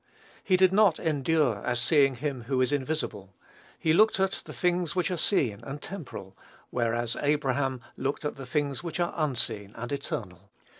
He did not "endure as seeing him who is invisible." He looked at "the things which are seen, and temporal:" whereas Abraham looked at "the things which are unseen and eternal."